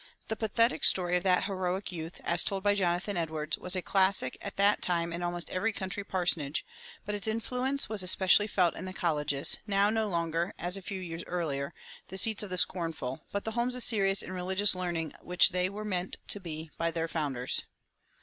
The pathetic story of that heroic youth, as told by Jonathan Edwards, was a classic at that time in almost every country parsonage; but its influence was especially felt in the colleges, now no longer, as a few years earlier, the seats of the scornful, but the homes of serious and religious learning which they were meant to be by their founders.